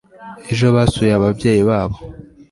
ejo basuye ababyeyi babo